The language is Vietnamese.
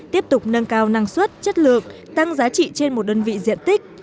tiếp tục nâng cao năng suất chất lượng tăng giá trị trên một đơn vị diện tích